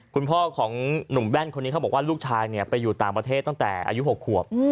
คุณพ่อของหนุ่มแว่นคนนี้เขาบอกว่าลูกชายไปอยู่ต่างประเทศตั้งแต่อายุ๖ขวบ